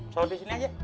saur di sini aja